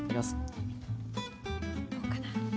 どうかな？